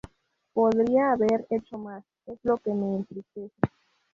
Podría haber hecho más, es lo que me entristece.